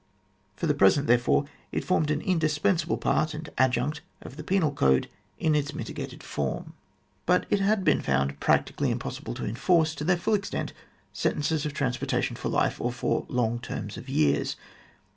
For the present, therefore, it formed an indispensable part and adjunct of the penal code in its mitigated form. But it had been found practically impossible to enforce, to their full extent, sentences of transportation for life or for long terms of years.